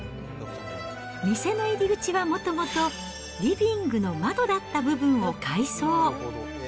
店の入り口はもともとリビングの窓だった部分を改装。